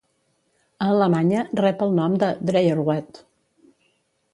A Alemanya rep el nom de "Dreierwette".